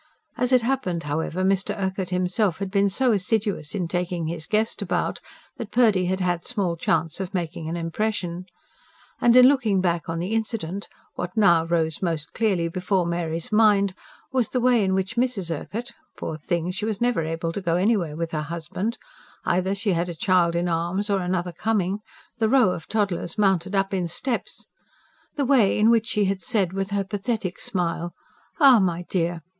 As it happened, however, Mr. Urquhart himself had been so assiduous in taking his guest about that Purdy had had small chance of making an impression. And, in looking back on the incident, what now rose most clearly before Mary's mind was the way in which Mrs. Urquhart poor thing, she was never able to go anywhere with her husband: either she had a child in arms or another coming; the row of toddlers mounted up in steps the way in which she had said, with her pathetic smile: "Ah, my dear!